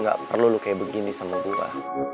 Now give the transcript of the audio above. gak perlu lu kayak begini sama gue